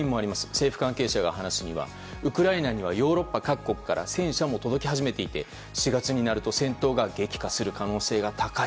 政府関係者が話すにはウクライナにはヨーロッパ各国から戦車も届き始めていて４月になると戦闘が激化する可能性が高い。